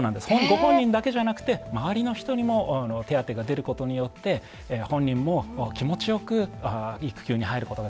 ご本人だけじゃなくて周りの人にも手当が出ることによって本人も気持ちよく育休に入ることができるんですね。